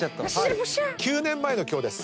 ９年前の今日です。